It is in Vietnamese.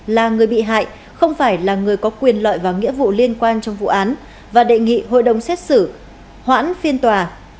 là người bị hại không phải là người có quyền lợi và nghĩa vụ liên quan trong vụ án và đề nghị hội đồng xét xử hoãn phiên tòa